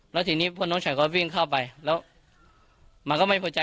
แล้วทีนี้พวกน้องชายก็วิ่งเข้าไปแล้วมันก็ไม่พอใจ